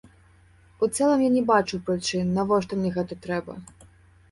У цэлым я не бачу прычын, навошта мне гэта трэба.